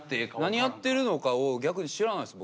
何やってるのかを逆に知らないです